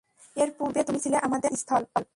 এর পূর্বে তুমি ছিলে আমাদের আশা-স্থল।